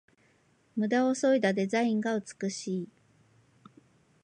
ムダをそいだデザインが美しい